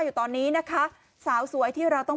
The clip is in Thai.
อยู่ตอนนี้นะคะสาวสวยที่เราต้อง